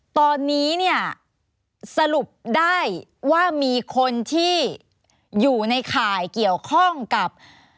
ตอนนี้เนี่ยสรุปได้ว่ามีคนที่อยู่ในข่ายเกี่ยวข้องกับ